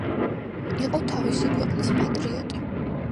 იყო თავისი ქვეყნის პატრიოტი.